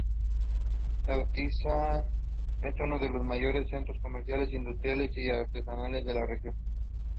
He graduated from Stanford University.